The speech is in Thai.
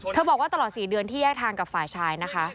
บอกว่าตลอด๔เดือนที่แยกทางกับฝ่ายชายนะคะ